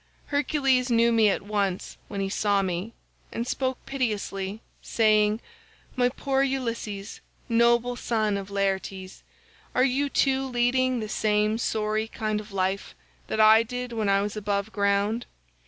Hercules knew me at once when he saw me, and spoke piteously, saying, 'My poor Ulysses, noble son of Laertes, are you too leading the same sorry kind of life that I did when I was above ground?